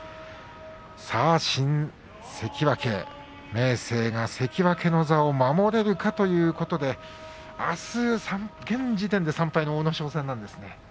新関脇明生が関脇の座を守れるかということであす現時点で３敗の阿武咲戦です。